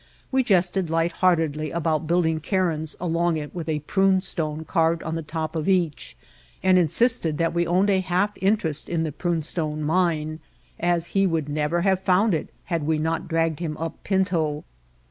We jested light heartedly about building cairns along it with a prune stone carved on the top of each, and insisted that we owned a half interest in the Prune Stone Mine, as he would never have found it had we not dragged him up Pinto.